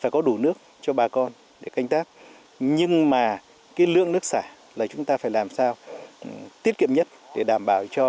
có đủ nước để gieo cấy đạt bảy mươi tám kế hoạch